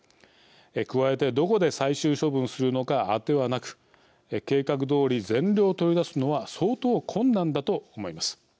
加えて、どこで最終処分するのかあてはなく計画どおり全量取り出すのは相当困難だと思います。